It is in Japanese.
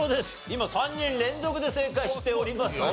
今３人連続で正解しておりますので。